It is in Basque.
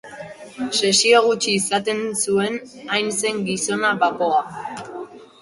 Sesio gutxi izaten zuen, hain zen gizona bapoa.